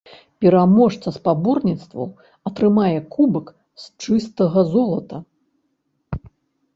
Пераможца спаборніцтваў атрымае кубак з чыстага золата.